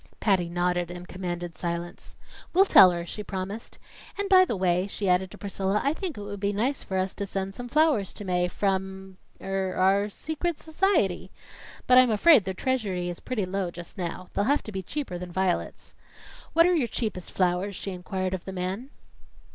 Patty nodded and commanded silence. "We'll tell her," she promised. "And by the way," she added to Priscilla, "I think it would be nice for us to send some flowers to Mae, from our er secret society. But I'm afraid the treasury is pretty low just now. They'll have to be cheaper than violets. What are your cheapest flowers?" she inquired of the man.